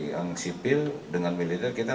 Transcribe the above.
yang sipil dengan militer kita